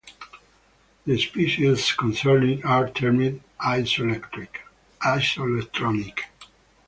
The species concerned are termed isoelectronic.